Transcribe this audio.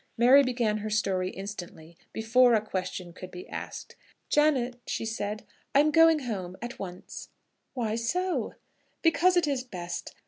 Mary began her story instantly, before a question could be asked. "Janet," she said, "I am going home at once." "Why so?" "Because it is best.